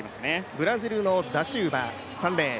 ブラジルのダシウバ、３レーン。